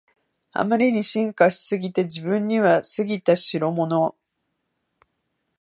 あまりに進化しすぎて自分には過ぎたしろもの